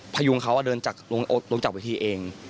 พยุงเขาเดินลงจากเวทีเอง